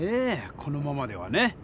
このままではね。